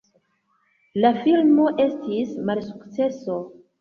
La filmo estis malsukceso.